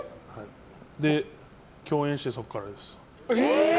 共演して、そこからです。